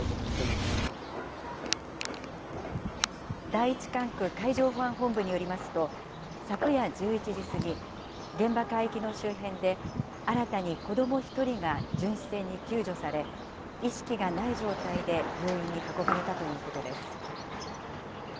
第１管区海上保安本部によりますと、昨夜１１時過ぎ、現場海域の周辺で、新たに子ども１人が巡視船に救助され、意識がない状態で病院に運ばれたということです。